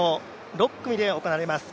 ６組で行われます。